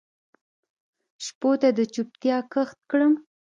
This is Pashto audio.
شپو ته د چوپتیا کښت کرم